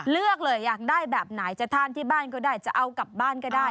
เลือกเลยอยากได้แบบไหนจะทานที่บ้านก็ได้จะเอากลับบ้านก็ได้